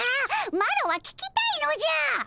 マロは聞きたいのじゃ！